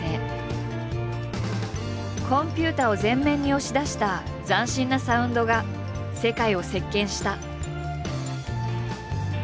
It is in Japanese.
コンピュータを前面に押し出した斬新なサウンドが世界を席巻した。